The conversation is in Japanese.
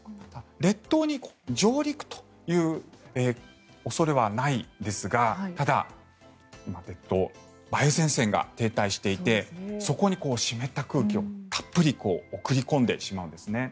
列島に上陸という恐れはないんですがただ、今、列島に梅雨前線が停滞していてそこに湿った空気をたっぷり送り込んでしまうんですね。